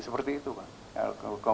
seperti itu pak